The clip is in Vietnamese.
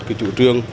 cái chủ trương